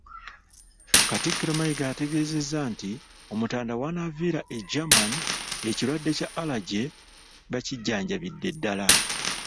Katikkiro Mayiga ategeezezza nti Omutanda wanaaviira e Germany ng'ekirwadde kya Allergy bakijjanjabidde ddala.